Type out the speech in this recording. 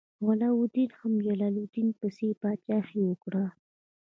علاوالدین هم د جلال الدین پسې پاچاهي وکړه.